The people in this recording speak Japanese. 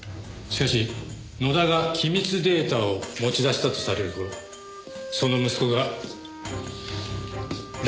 しかし野田が機密データを持ち出したとされる頃その息子が拉致監禁されていたんですよ。